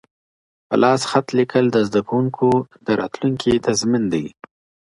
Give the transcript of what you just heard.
په لاس خط لیکل د زده کوونکو د راتلونکي تضمین دی.